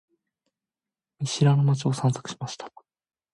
見知らぬ街を散策しました。